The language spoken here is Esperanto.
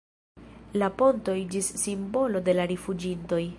La ponto iĝis simbolo de la rifuĝintoj.